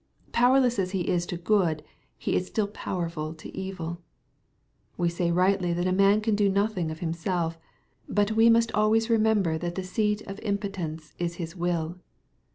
* Powerless as he. is to good, he is still powerful to evil We say'rightly that a man can do noth ing of himself, but we must always remember that the seat of impotence is his will.